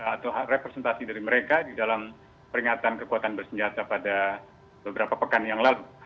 atau representasi dari mereka di dalam peringatan kekuatan bersenjata pada beberapa pekan yang lalu